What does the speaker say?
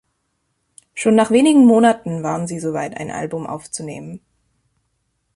Schon nach wenigen Monaten waren sie soweit, ein Album aufzunehmen.